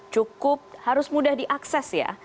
cukup harus mudah diakses ya